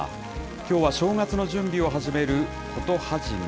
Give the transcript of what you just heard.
きょうは正月の準備を始める事始め。